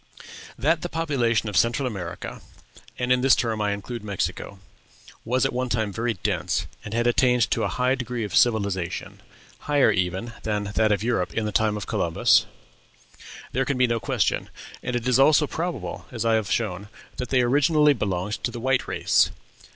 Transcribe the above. That the population of Central America (and in this term I include Mexico) was at one time very dense, and had attained to a high degree of civilization, higher even than that of Europe in the time of Columbus, there can be no question; and it is also probable, as I have shown, that they originally belonged to the white race.